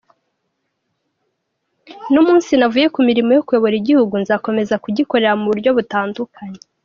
N’umunsi navuye ku mirimo yo kuyobora igihugu, nzakomeza kugikorera mu buryo butandukanye.